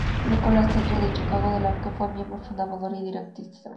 Nicholas Theatre, de Chicago, de la que fue miembro fundador y director artístico.